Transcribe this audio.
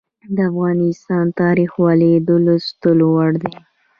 د افغانستان تاریخ ولې د لوستلو وړ دی؟